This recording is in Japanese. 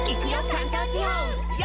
関東地方！」